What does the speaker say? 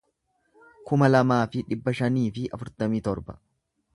kuma lamaa fi dhibba shanii fi afurtamii torba